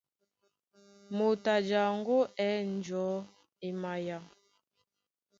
Moto a jaŋgó á ɛ̂n njɔ̌ e maya.